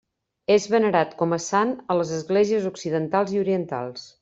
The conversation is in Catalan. És venerat com a sant a les esglésies occidentals i orientals.